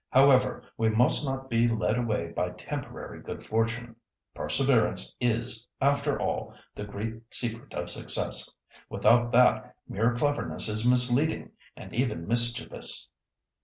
However, we must not be led away by temporary good fortune. Perseverance is, after all, the great secret of success. Without that mere cleverness is misleading, and even mischievous."